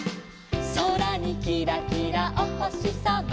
「そらにキラキラおほしさま」